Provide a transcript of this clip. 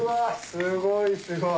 すごいすごい。